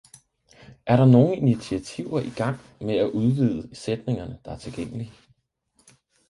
Er der nogle initiativer i gang med at udvide sætningerne, der er tilgængelige?